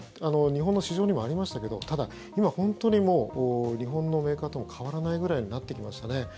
日本の市場にもありましたけどただ、今、本当に日本のメーカーとも変わらないくらいになってきましたね。